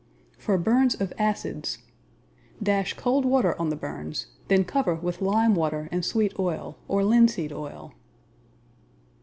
For Burns of Acids Dash cold water on the burns, then cover with lime water and sweet oil, or linseed oil.